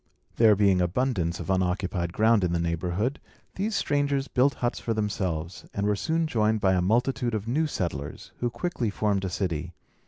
There being abundance of unoccupied ground in the neighbourhood, these strangers built huts for themselves, and were soon joined by a multitude of new settlers, who quickly formed a city.